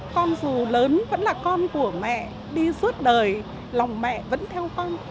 con dù lớn vẫn là con của mẹ đi suốt đời lòng mẹ vẫn theo con